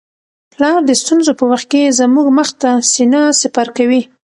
پلار د ستونزو په وخت کي زموږ مخ ته سینه سپر کوي.